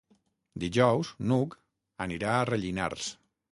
Dijous n'Hug anirà a Rellinars.